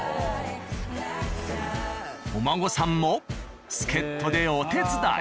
お孫さんも助っ人でお手伝い。